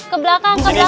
ke belakang ke belakang